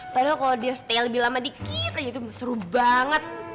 padahal kalo dia stay lebih lama dikit aja tuh seru banget